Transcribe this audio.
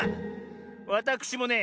わたくしもね